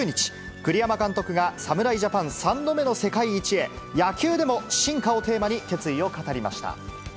栗山監督が侍ジャパン３度目の世界一へ、野球でも進化をテーマに、決意を語りました。